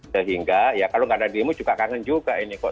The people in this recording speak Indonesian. sehingga ya kalau nggak ada demo juga kangen juga ini kok